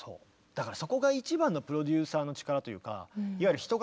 だからそこが一番のプロデューサーの力というか。